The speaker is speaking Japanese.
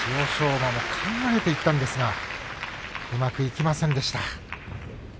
馬も考えていったんですがうまくいきませんでした。